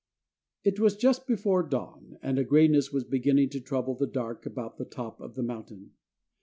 It was just before dawn, and a grayness was beginning to trouble the dark about the top of the mountain.